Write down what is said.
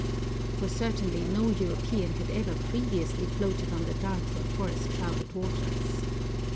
For certainly no European had ever previously floated on the dark and forest shrouded waters.